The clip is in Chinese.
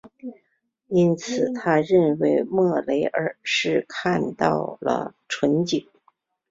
因此他认为莫雷尔是看到了蜃景。